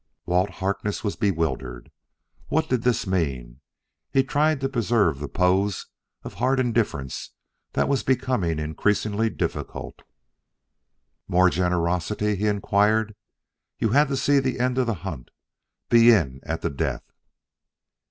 Walt Harkness was bewildered. What did this mean? He tried to preserve the pose of hard indifference that was becoming increasingly difficult. "More generosity?" he inquired. "You had to see the end of the hunt be in at the death?"